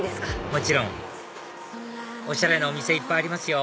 もちろんおしゃれなお店いっぱいありますよ